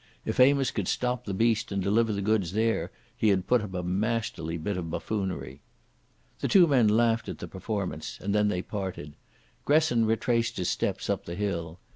If Amos could stop the beast and deliver the goods there, he had put up a masterly bit of buffoonery. The two men laughed at the performance, and then they parted. Gresson retraced his steps up the hill.